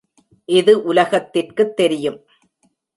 இது உலகத்திற்குத் தெரியும்.